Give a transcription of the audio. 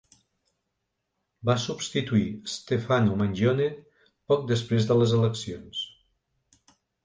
Va substituir Stefano Mangione poc després de les eleccions.